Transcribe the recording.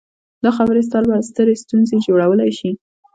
دا خبرې ستا لپاره سترې ستونزې جوړولی شي